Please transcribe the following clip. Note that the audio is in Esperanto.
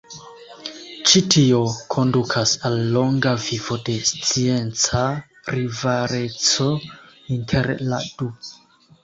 Ĉi tio kondukas al longa vivo de scienca rivaleco inter la du.